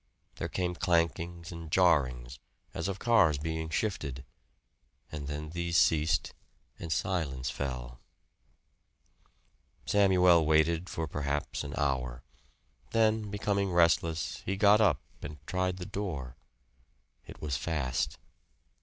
There came clankings and jarrings, as of cars being shifted, and then these ceased and silence fell. Samuel waited for perhaps an hour. Then, becoming restless, he got up and tried the door. It was fast.